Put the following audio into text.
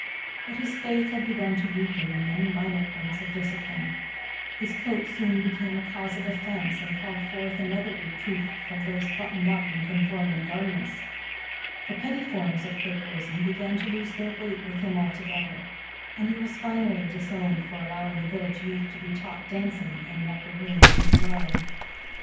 But his faith had begun to weaken in many minor points of discipline. His coat soon became a cause of offense and called forth another reproof from those buttoned up in conforming garments. The petty forms of Quakerism began to lose their weight with him altogether, and he was finally disowned for allowing the village youth to be taught dancing in an upper room of his dwelling.